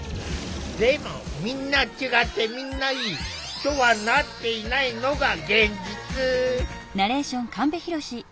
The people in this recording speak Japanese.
でも「みんな違ってみんないい」とはなっていないのが現実。